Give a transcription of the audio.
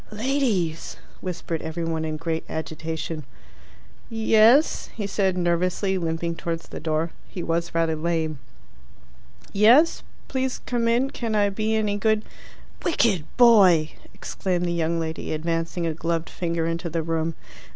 "Ladies!" whispered every one in great agitation. "Yes?" he said nervously, limping towards the door (he was rather lame). "Yes? Please come in. Can I be any good " "Wicked boy!" exclaimed the young lady, advancing a gloved finger into the room.